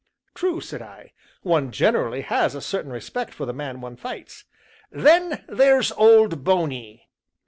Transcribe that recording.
"True," said I, "one generally has a certain respect for the man one fights." "Then there's Old Bony."